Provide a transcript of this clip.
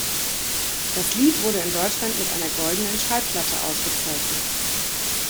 Das Lied wurde in Deutschland mit einer Goldenen Schallplatte ausgezeichnet.